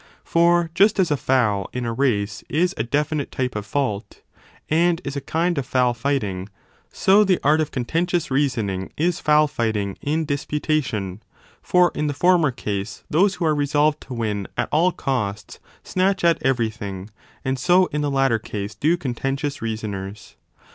For just as a foul in a race is a definite type of fault, and is a kind of foul fighting, so the art of conten tious reasoning is foul fighting in disputation : for in the former case those who are resolved to win at all costs snatch at everything, and so in the latter case do conten tious reasoners.